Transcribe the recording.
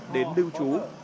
đến lưu chú